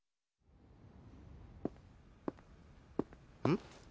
ん？